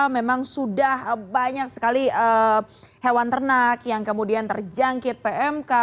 memang sudah banyak sekali hewan ternak yang kemudian terjangkit pmk